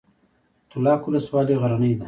تولک ولسوالۍ غرنۍ ده؟